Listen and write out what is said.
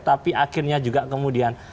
tapi akhirnya juga kemudian